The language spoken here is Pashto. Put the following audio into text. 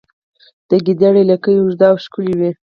د ګیدړې لکۍ اوږده او ښکلې وي